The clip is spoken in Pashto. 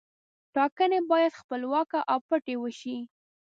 ټاکنې باید خپلواکه او پټې وشي.